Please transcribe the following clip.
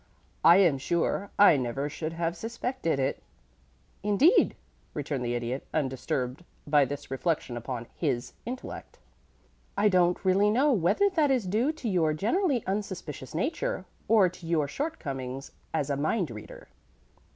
"I am sure I never should have suspected it." "Indeed?" returned the Idiot, undisturbed by this reflection upon his intellect. "I don't really know whether that is due to your generally unsuspicious nature, or to your shortcomings as a mind reader."